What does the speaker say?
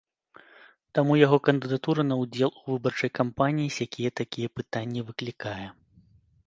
Таму яго кандыдатура на ўдзел у выбарчай кампаніі сякія-такія пытанні выклікае.